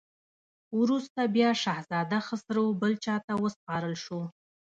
وروسته بیا شهزاده خسرو بل چا ته وسپارل شو.